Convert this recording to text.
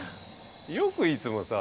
よくいつもさ